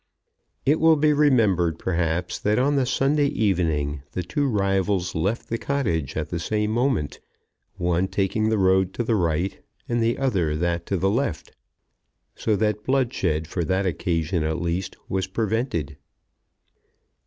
It will be remembered perhaps that on the Sunday evening the two rivals left the cottage at the same moment, one taking the road to the right, and the other that to the left, so that bloodshed, for that occasion at least, was prevented.